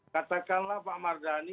katakanlah pak mardhani